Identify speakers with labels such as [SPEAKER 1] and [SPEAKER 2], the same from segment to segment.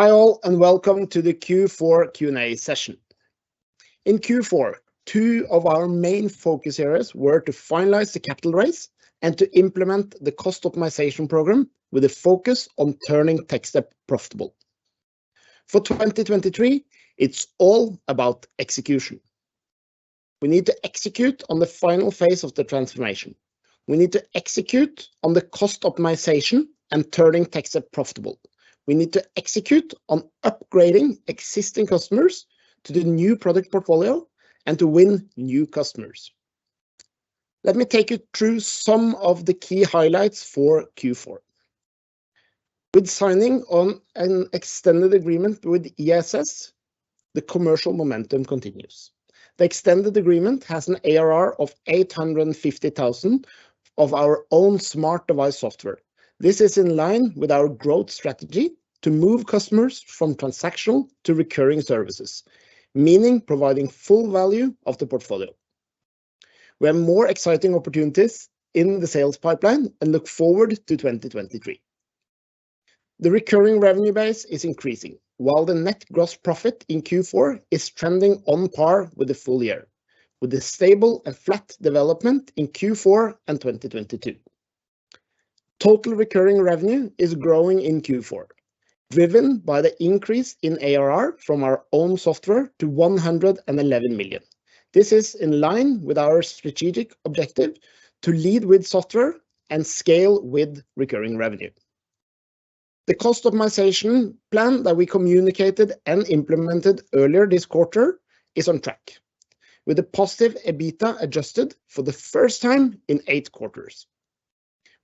[SPEAKER 1] Hi all. Welcome to the Q4 Q&A session. In Q4, two of our main focus areas were to finalize the capital raise and to implement the cost optimization program with a focus on turning Techstep profitable. For 2023, it's all about execution. We need to execute on the final phase of the transformation. We need to execute on the cost optimization and turning Techstep profitable. We need to execute on upgrading existing customers to the new product portfolio and to win new customers. Let me take you through some of the key highlights for Q4. With signing on an extended agreement with ESS, the commercial momentum continues. The extended agreement has an ARR of 850,000 of our own smart device software. This is in line with our growth strategy to move customers from transactional to recurring services, meaning providing full value of the portfolio. We have more exciting opportunities in the sales pipeline and look forward to 2023. The recurring revenue base is increasing, while the net gross profit in Q4 is trending on par with the full year, with a stable and flat development in Q4 and 2022. Total recurring revenue is growing in Q4, driven by the increase in ARR from our own software to 111 million. This is in line with our strategic objective to lead with software and scale with recurring revenue. The cost optimization plan that we communicated and implemented earlier this quarter is on track, with a positive EBITDA adjusted for the first time in eight quarters.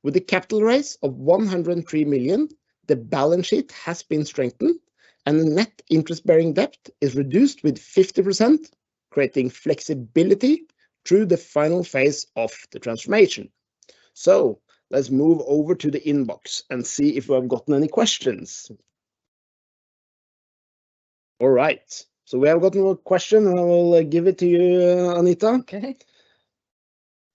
[SPEAKER 1] With a capital raise of 103 million, the balance sheet has been strengthened and the net interest-bearing debt is reduced with 50%, creating flexibility through the final phase of the transformation. Let's move over to the inbox and see if we have gotten any questions. All right, we have got a question, and I will give it to you, Anita. Okay.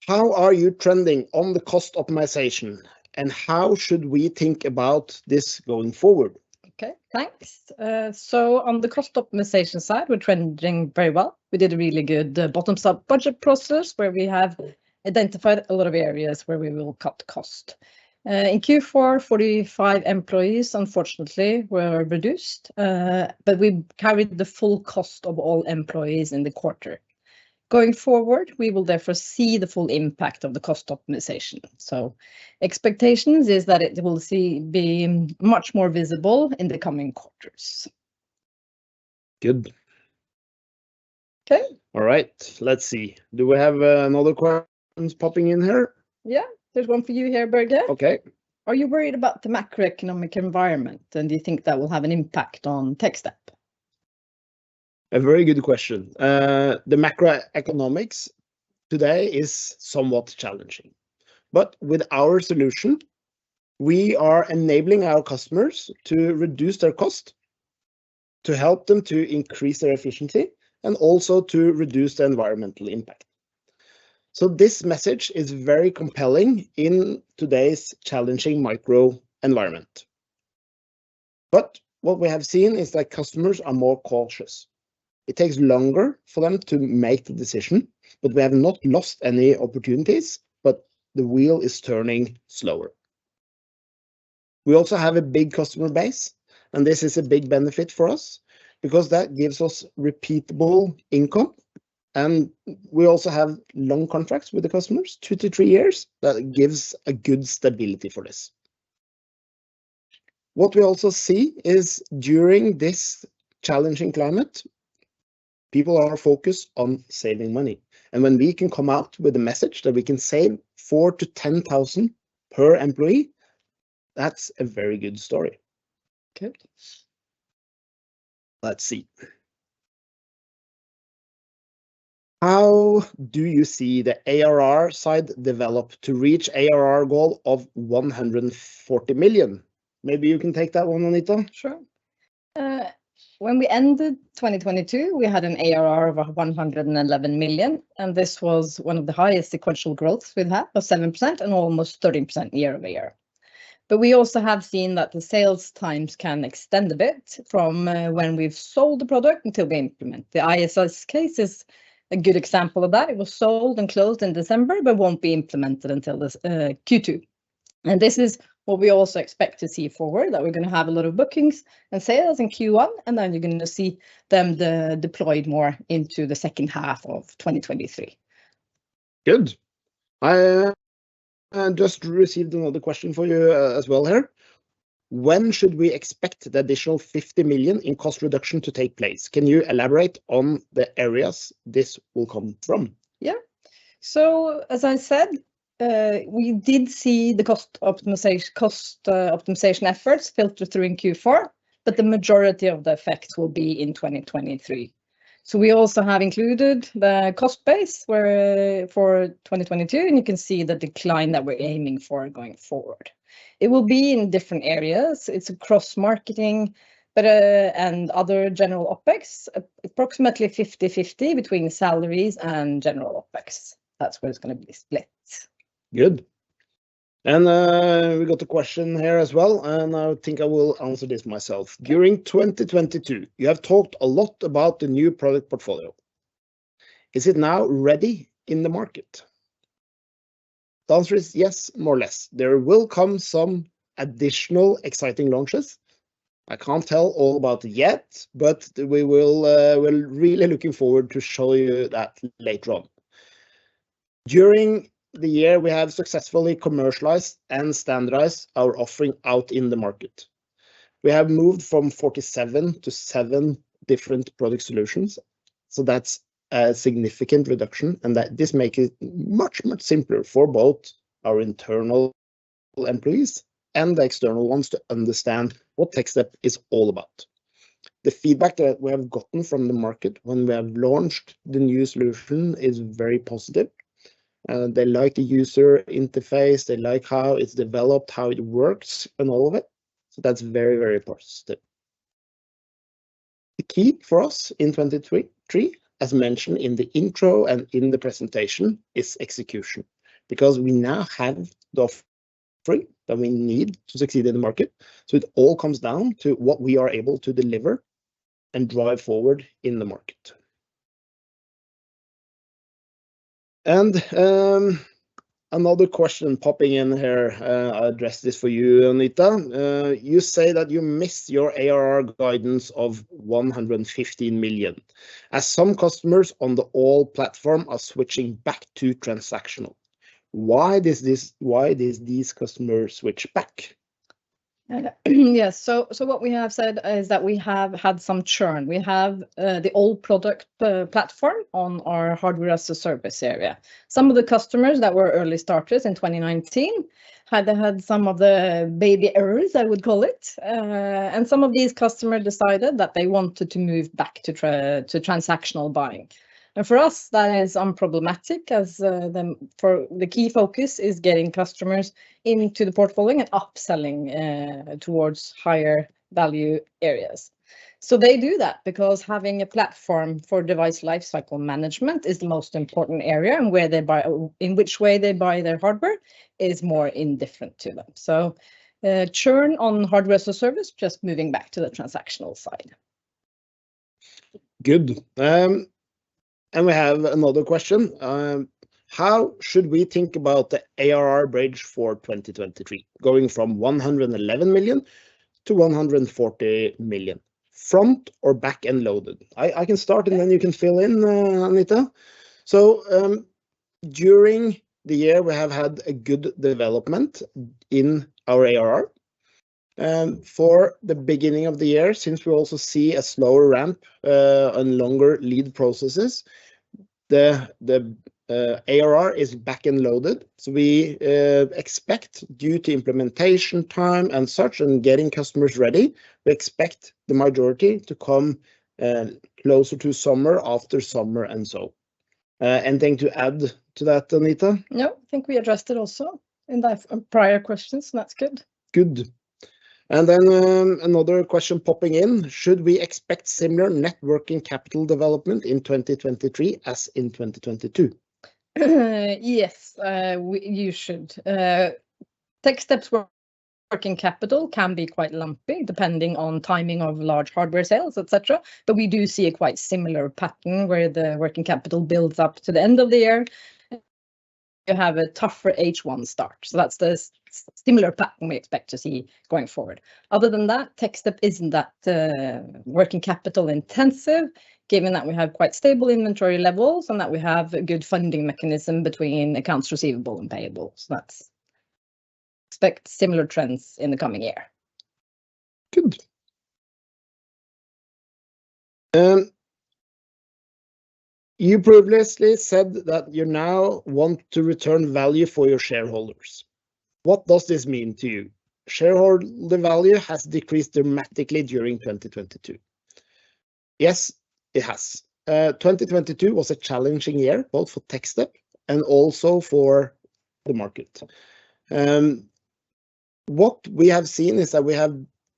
[SPEAKER 1] How are you trending on the cost optimization, and how should we think about this going forward? Okay, thanks. On the cost optimization side, we're trending very well. We did a really good bottom-up budget process where we have identified a lot of areas where we will cut cost. In Q4, 45 employees unfortunately were reduced, but we carried the full cost of all employees in the quarter. Going forward, we will therefore see the full impact of the cost optimization, expectations is that it will be much more visible in the coming quarters. Good. Okay. All right, let's see. Do we have another questions popping in here? Yeah. There's one for you here, Berge. Okay. Are you worried about the macroeconomic environment, and do you think that will have an impact on Techstep? A very good question. The macroeconomics today is somewhat challenging, with our solution, we are enabling our customers to reduce their cost, to help them to increase their efficiency, and also to reduce their environmental impact, so this message is very compelling in today's challenging micro environment. What we have seen is that customers are more cautious. It takes longer for them to make the decision, but we have not lost any opportunities. The wheel is turning slower. We also have a big customer base, this is a big benefit for us because that gives us repeatable income, we also have long contracts with the customers, two to three years, that gives a good stability for this. What we also see is, during this challenging climate, people are focused on saving money. When we can come out with a message that we can save 4,000-10,000 per employee, that's a very good story. Okay. Let's see. How do you see the ARR side develop to reach ARR goal of 140 million? Maybe you can take that one, Anita. Sure. When we ended 2022, we had an ARR of 111 million, and this was one of the highest sequential growths we've had, of 7% and almost 13% year-over-year. We also have seen that the sales times can extend a bit from when we've sold the product until we implement. The ISS case is a good example of that. It was sold and closed in December but won't be implemented until this Q2. This is what we also expect to see forward, that we're gonna have a lot of bookings and sales in Q1, and then you're gonna see them deployed more into the second half of 2023. Good. I just received another question for you as well here. When should we expect the additional 50 million in cost reduction to take place? Can you elaborate on the areas this will come from? Yeah. As I said, we did see the cost optimization efforts filter through in Q4, the majority of the effects will be in 2023. We also have included the cost base where for 2022, you can see the decline that we're aiming for going forward. It will be in different areas. It's across marketing, other general OpEx, approximately 50/50 between salaries and general OpEx. That's where it's gonna be split. Good. We got a question here as well, and I think I will answer this myself. During 2022, you have talked a lot about the new product portfolio. Is it now ready in the market? The answer is yes, more or less. There will come some additional exciting launches. I can't tell all about it yet, but we will, we're really looking forward to show you that later on. During the year, we have successfully commercialized and standardized our offering out in the market. We have moved from 47 to seven different product solutions, so that's a significant reduction, and that this make it much simpler for both our internal employees and the external ones to understand what Techstep is all about. The feedback that we have gotten from the market when we have launched the new solution is very positive. They like the user interface. They like how it's developed, how it works and all of it, so that's very, very positive. The key for us in 2023, as mentioned in the intro and in the presentation, is execution because we now have the offerings that we need to succeed in the market. It all comes down to what we are able to deliver and drive forward in the market. Another question popping in here, I address this for you, Anita. You say that you missed your ARR guidance of 115 million as some customers on the all platform are switching back to transactional. Why does these customers switch back? Yeah. What we have said is that we have had some churn. We have the old product platform on our Hardware-as-a-Service area. Some of the customers that were early starters in 2019 had some of the baby errors, I would call it. Some of these customers decided that they wanted to move back to transactional buying, and for us, that is unproblematic as the key focus is getting customers into the portfolio and upselling towards higher value areas. They do that because having a platform for Device Lifecycle Management is the most important area, and where they buy, in which way they buy their hardware is more indifferent to them. Churn on Hardware-as-a-Service, just moving back to the transactional side. Good. We have another question. How should we think about the ARR bridge for 2023, going from 111 million to 140 million, front or back and loaded? I can start, and then you can fill in, Anita. During the year, we have had a good development in our ARR. For the beginning of the year, since we also see a slower ramp and longer lead processes, the ARR is back and loaded, so we expect due to implementation time and such and getting customers ready, we expect the majority to come closer to summer, after summer and so. Anything to add to that, Anita? No. I think we addressed it also in the prior questions, and that's good. Good. Another question popping in, should we expect similar networking capital development in 2023 as in 2022? You should. Techstep's working capital can be quite lumpy depending on timing of large hardware sales, et cetera, but we do see a quite similar pattern where the working capital builds up to the end of the year. You have a tougher H1 start, that's the similar pattern we expect to see going forward. Other than that, Techstep isn't that working capital intensive given that we have quite stable inventory levels and that we have a good funding mechanism between accounts receivable and payable. Expect similar trends in the coming year. Good. You previously said that you now want to return value for your shareholders. What does this mean to you? Shareholder value has decreased dramatically during 2022. Yes, it has. 2022 was a challenging year both for Techstep and also for the market. What we have seen is that we have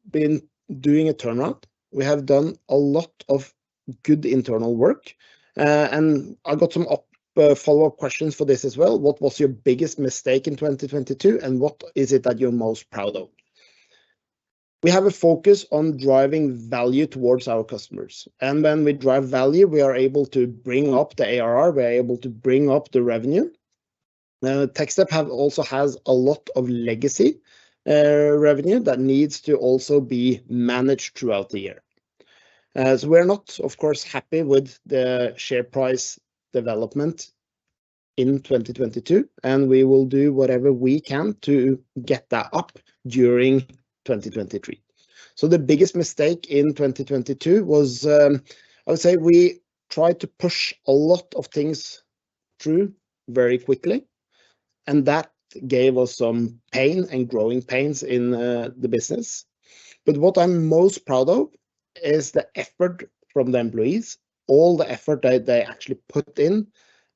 [SPEAKER 1] been doing a turnaround. We have done a lot of good internal work, and I got some follow-up questions for this as well. What was your biggest mistake in 2022, and what is it that you're most proud of? We have a focus on driving value towards our customers, and when we drive value, we are able to bring up the ARR. We are able to bring up the revenue. Now, Techstep has a lot of legacy revenue that needs to also be managed throughout the year. We're not, of course, happy with the share price development in 2022, and we will do whatever we can to get that up during 2023. The biggest mistake in 2022 was, I would say we tried to push a lot of things through very quickly, and that gave us some pain and growing pains in the business. What I'm most proud of is the effort from the employees, all the effort they actually put in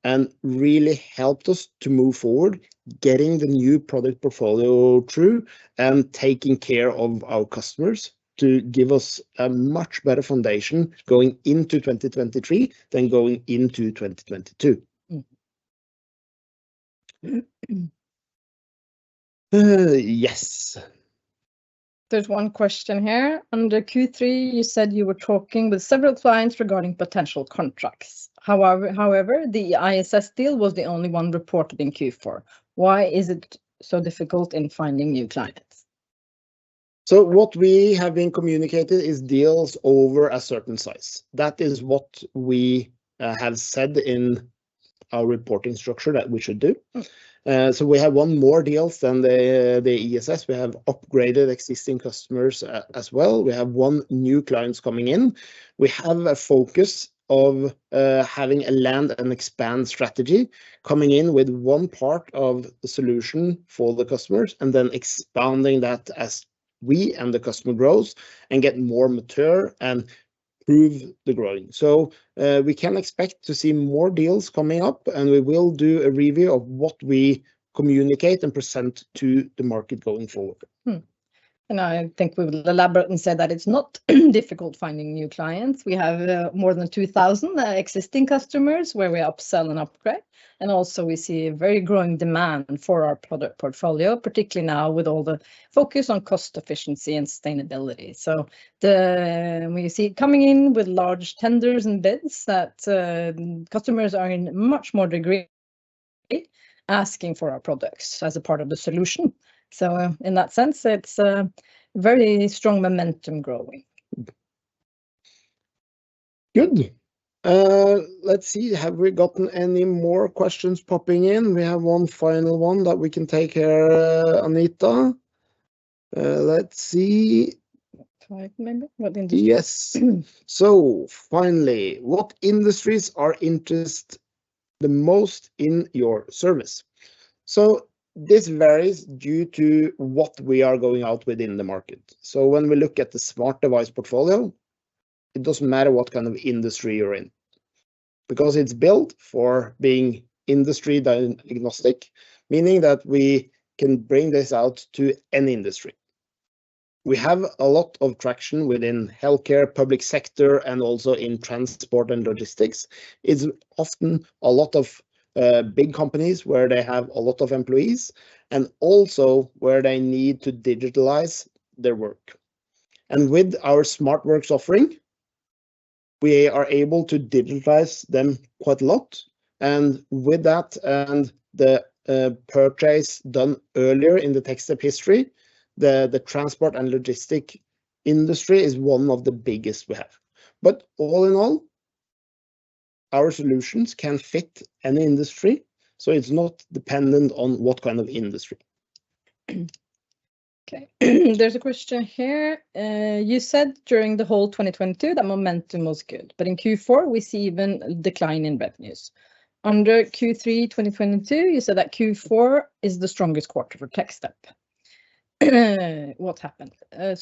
[SPEAKER 1] and really helped us to move forward, getting the new product portfolio through and taking care of our customers to give us a much better foundation going into 2023 than going into 2022. Yes. There's one question here. Under Q3, you said you were talking with several clients regarding potential contracts. However, the ISS deal was the only one reported in Q4. Why is it so difficult in finding new clients? What we have been communicated is deals over a certain size. That is what we have said in our reporting structure that we should do. We have won more deals than the ESS. We have upgraded existing customers as well. We have won new clients coming in. We have a focus of having a land and expand strategy, coming in with one part of the solution for the customers, and then expanding that as we and the customer grows and get more mature and prove the growing. We can expect to see more deals coming up, and we will do a review of what we communicate and present to the market going forward. I think we will elaborate and say that it's not difficult finding new clients. We have more than 2,000 existing customers where we upsell and upgrade, and also we see a very growing demand for our product portfolio, particularly now with all the focus on cost efficiency and sustainability. We see it coming in with large tenders and bids that customers are in much more degree asking for our products as a part of the solution. In that sense, it's a very strong momentum growing. Good. Let's see. Have we gotten any more questions popping in? We have one final one that we can take here, Anita. Let's see. Five maybe. What industries- Yes. Finally, what industries are interested the most in your service? This varies due to what we are going out with in the market. When we look at the SmartDevice portfolio, it doesn't matter what kind of industry you're in because it's built for being industry-agnostic, meaning that we can bring this out to any industry. We have a lot of traction within healthcare, public sector, and also in transport and logistics. It's often a lot of big companies where they have a lot of employees and also where they need to digitalize their work, and with our SmartWorks offering, we are able to digitalize them quite a lot, and with that and the purchase done earlier in the Techstep history, the transport and logistic industry is one of the biggest we have. All in all, our solutions can fit any industry, so it's not dependent on what kind of industry. Okay. There's a question here. You said during the whole 2022 the momentum was good. In Q4 we see even a decline in revenues. Under Q3 2022, you said that Q4 is the strongest quarter for Techstep. What happened? Yeah,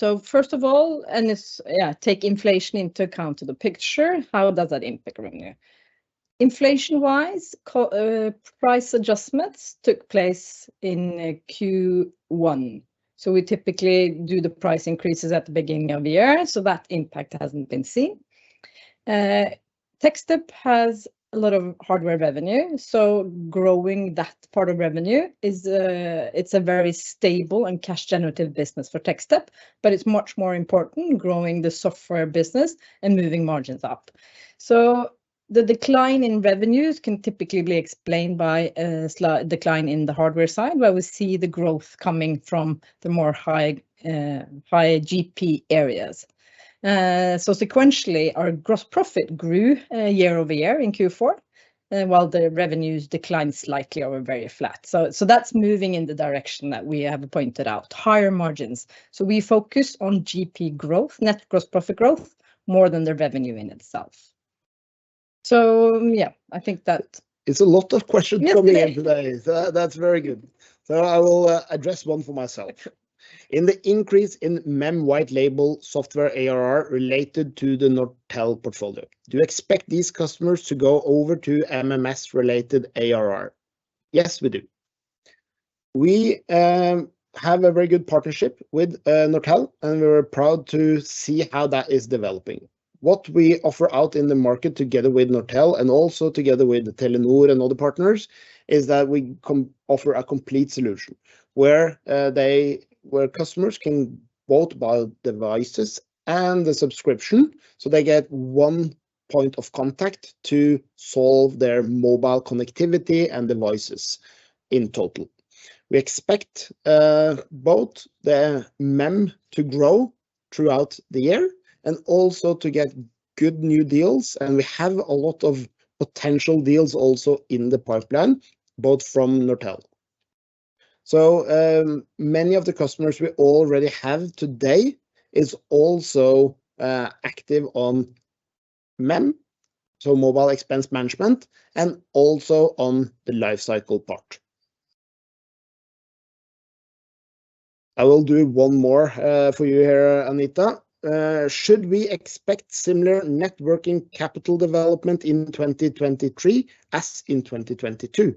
[SPEAKER 1] take inflation into account to the picture, how does that impact revenue? Inflation-wise, price adjustments took place in Q1. We typically do the price increases at the beginning of year. That impact hasn't been seen. Techstep has a lot of hardware revenue. Growing that part of revenue is, it's a very stable and cash generative business for Techstep. It's much more important growing the software business and moving margins up. The decline in revenues can typically be explained by a decline in the hardware side, where we see the growth coming from the more high, higher GP areas. Sequentially, our gross profit grew year-over-year in Q4, while the revenues declined slightly or were very flat. That's moving in the direction that we have pointed out, higher margins. We focus on GP growth, net gross profit growth, more than the revenue in itself. Yeah, I think that. It's a lot of questions coming in today. Yes That's very good. I will address one for myself. In the increase in MEM white label software ARR related to the Nortel portfolio, do you expect these customers to go over to MMS related ARR? Yes, we do. We have a very good partnership with Nortel, and we're proud to see how that is developing. What we offer out in the market together with Nortel and also together with Telenor and other partners, is that we offer a complete solution, where customers can both buy devices and the subscription, so they get one point of contact to solve their mobile connectivity and devices in total. We expect both the MEM to grow throughout the year and also to get good new deals, and we have a lot of potential deals also in the pipeline, both from Nortel. Many of the customers we already have today is also active on MEM, so Mobile Expense Management, and also on the life cycle part. I will do one more for you here, Anita. Should we expect similar networking capital development in 2023 as in 2022?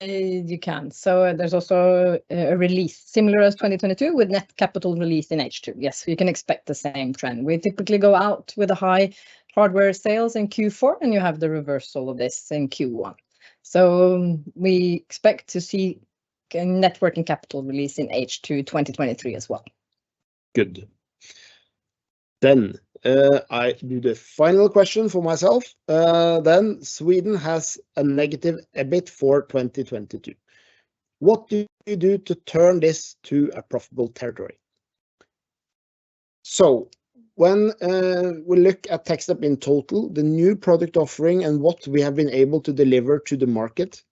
[SPEAKER 1] You can. There's also a release similar as 2022 with net capital release in H2. Yes, we can expect the same trend. We typically go out with a high hardware sales in Q4, and you have the reversal of this in Q1. We expect to see networking capital release in H2 2023 as well. Good. I do the final question for myself. Sweden has a negative EBIT for 2022. What do you do to turn this to a profitable territory? When we look at Techstep in total, the new product offering and what we have been able to deliver to the market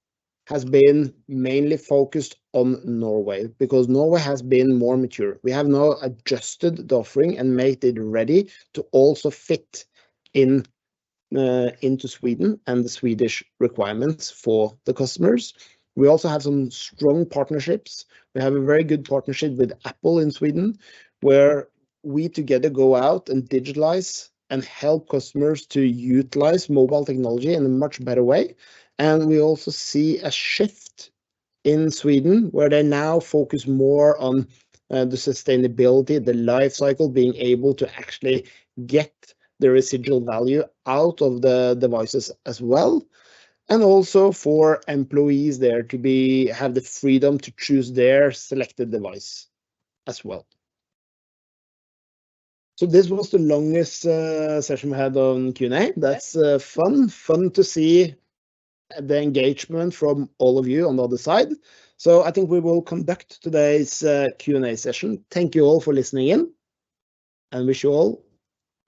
[SPEAKER 1] has been mainly focused on Norway because Norway has been more mature. We have now adjusted the offering and made it ready to also fit in into Sweden and the Swedish requirements for the customers. We also have some strong partnerships. We have a very good partnership with Apple in Sweden, where we together go out and digitalize and help customers to utilize mobile technology in a much better way, and we also see a shift in Sweden, where they now focus more on the sustainability, the life cycle, being able to actually get the residual value out of the devices as well, and also for employees there to have the freedom to choose their selected device as well. This was the longest session we had on Q&A. Yes. That's fun. Fun to see the engagement from all of you on the other side. I think we will conduct today's Q&A session. Thank you all for listening in, and wish you all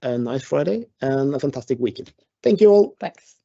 [SPEAKER 1] a nice Friday and a fantastic weekend. Thank you all. Thanks.